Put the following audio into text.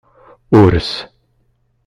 Urss